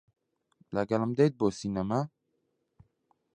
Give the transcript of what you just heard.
لەگەڵم دێیت بۆ سینەما؟